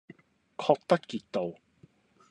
郝德傑道